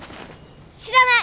知らない！